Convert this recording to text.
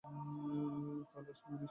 পালাস না মুনুস্বামি।